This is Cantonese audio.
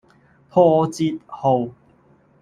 破折號